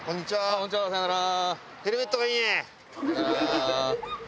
こんにちは！さようなら！